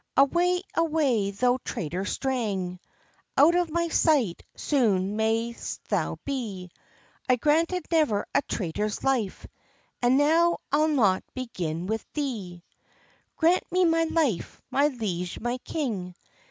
"Away, away, thou traitor strang! Out of my sight soon may'st thou be! I granted never a traitor's life, And now I'll not begin with thee." "Grant me my life, my liege, my king!